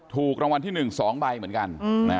ถูกรางวัลที่๑๒ใบเหมือนกัน